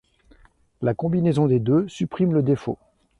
La combinaison des deux supprime le défaut.